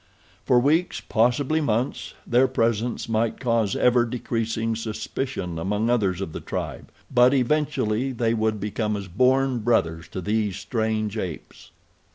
For weeks, possibly months, their presence might cause ever decreasing suspicion among others of the tribe; but eventually they would become as born brothers to these strange apes.